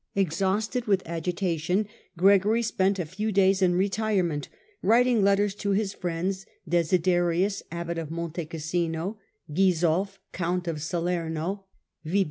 Exhausted with agitation, Gregory spent a few days in retirement, writing letters to his friends, Desiderius, abbot of Monte Cassino; Gisulf, count of Salerno; Digitized by VjO.